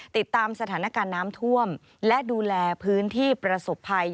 ติดตามสถานการณ์น้ำท่วมและดูแลพื้นที่ประสบภัย